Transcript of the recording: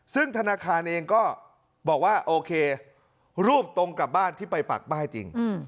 ซึ่งธนาคารเองก็บอกว่าโอเครูปตรงกลับบ้านที่ไปปากป้ายจริง